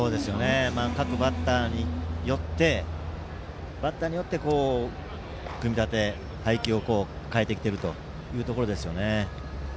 各バッターによって組み立て、配球を変えてきているというところですよね。